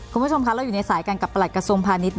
คุณผู้ชมคะเราอยู่ในสายกันกับประหลัดกระทรวงพาณิชย